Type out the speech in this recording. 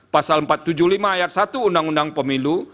pasal empat ratus tujuh puluh lima ayat satu undang undang pemilu